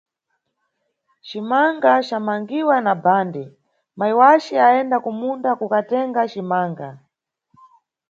Cimanga camangiwa na bhande, mayi wace ayenda kumunda kukatenga cimanga.